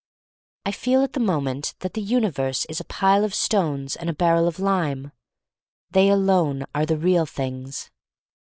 I feel at the moment that the uni verse is a Pile of Stones and a Barrel of Lime. They alone are the Real Things.